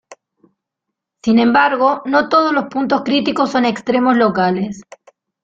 Sin embargo, no todos los puntos críticos son extremos locales.